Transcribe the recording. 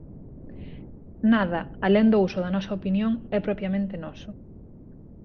Nada alén do uso da nosa opinión é propiamente noso.